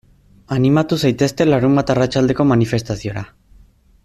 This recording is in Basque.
Animatu zaitezte larunbat arratsaldeko manifestaziora.